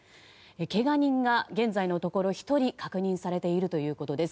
けが人が現在のところ１人確認されているということです。